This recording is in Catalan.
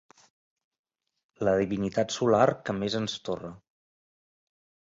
La divinitat solar que més ens torra.